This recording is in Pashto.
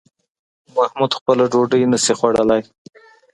محمود خپله ډوډۍ نشي خوړلی